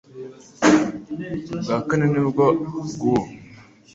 Ubwa kane ni bwo bw'ubu.